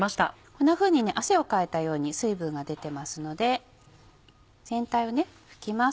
こんなふうに汗をかいたように水分が出てますので全体を拭きます。